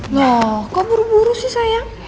loh kok buru buru sih sayang